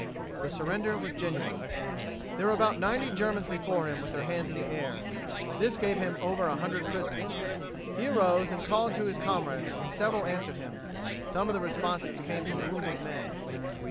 The surrender was genuine. There were about ninety Germans before him with their hands in air. This gave him over a hundred prisoners. He arose and called to his comrades, and several answered him. Some of the responses came from wounded men.